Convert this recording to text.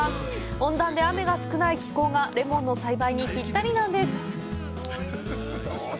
温暖で雨が少ない気候がレモンの栽培にぴったりなんです。